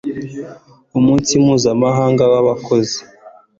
umunsi mpuzamahanga w'abakozi